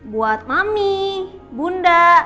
buat mami bunda